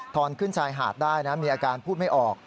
ตอนขึ้นชายหาดได้นะมีอาการพูดไม่ออก